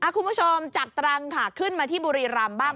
คุณผู้ชมจากตรังค่ะขึ้นมาที่บุรีรำบ้าง